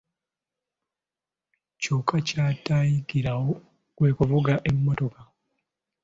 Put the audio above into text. Kyokka ky'atayigirawo kwe kuvuga mmotoka.